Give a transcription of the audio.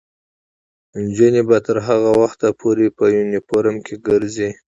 نجونې به تر هغه وخته پورې په یونیفورم کې ګرځي.